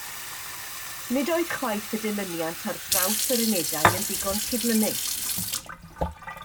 Nid oedd chwaith y dilyniant ar draws yr unedau yn ddigon cydlynnus